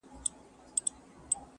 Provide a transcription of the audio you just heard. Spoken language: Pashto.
پلار چوپتيا کي عذاب وړي تل.